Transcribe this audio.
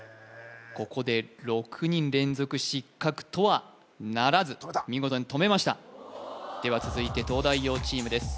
ここで６人連続失格とはならず止めたでは続いて東大王チームです